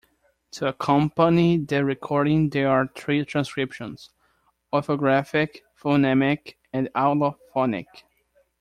To accompany the recording there are three transcriptions: orthographic, phonemic and allophonic.